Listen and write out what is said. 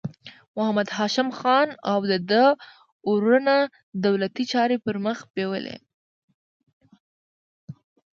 محمد هاشم خان او د ده وروڼو دولتي چارې پر مخ بیولې.